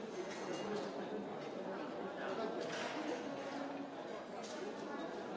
ขอบคุณครับ